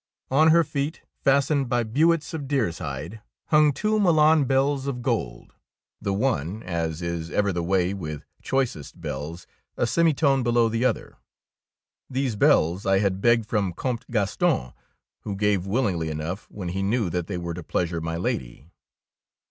On her feet, fas tened by be wits of deer's hide, hung two Milan bells of gold, — the one, as is ever the way with choicest bells, a semi tone below the other. These bells I had begged from Comte Graston, who gave willingly enough when he knew that they were to pleasure my Lady.